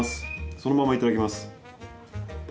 そのままいただきます。